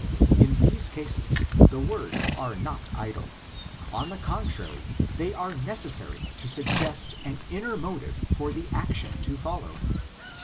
In these cases the words are not idle; on the contrary they are necessary to suggest an inner motive for the action to follow.